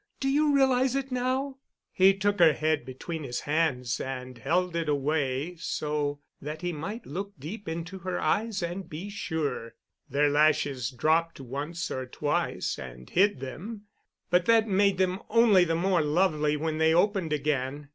Do you realize it now?" He took her head between his hands and held it away so that he might look deep into her eyes and be sure. Their lashes dropped once or twice and hid them, but that made them only the more lovely when they opened again.